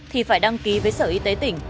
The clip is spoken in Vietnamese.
thì phải đăng ký với sở y tế tỉnh